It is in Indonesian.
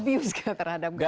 abuse ke terhadap gajah